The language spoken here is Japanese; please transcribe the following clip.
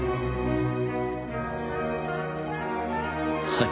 はい。